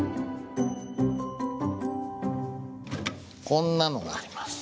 こんなのがあります。